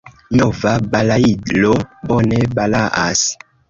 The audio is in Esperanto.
Nova balailo bone balaas.